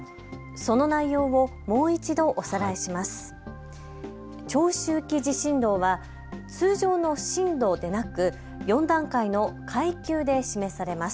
その内容をもう一度おさらいします。